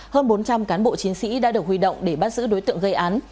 hơn bốn trăm linh cán bộ chiến sĩ đã được huy động để bắt giữ đối tượng gây án